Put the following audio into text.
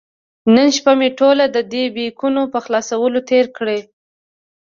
نن شپه مې ټوله د دې بیکونو په خلاصولو تېره کړې.